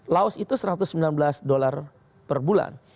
laos itu satu ratus sembilan belas dolar per bulan